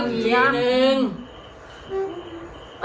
ทำไมทำนี้นะ